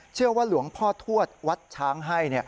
เชื่อว่าหลวงพ่อทวดวัดช้างให้